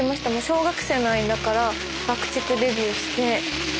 小学生の間から爆竹デビューして。